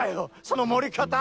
その盛り方！